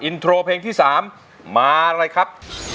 อินโทรเพลงที่๓มาเลยครับ